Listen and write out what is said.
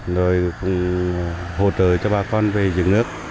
rồi cũng hỗ trợ cho ba con về giữ nước